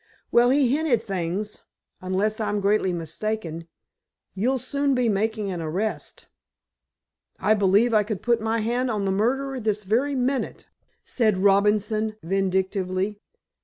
"Well, he hinted things. Unless I'm greatly mistaken, you'll soon be making an arrest." "I believe I could put my hand on the murderer this very minute," said Robinson vindictively.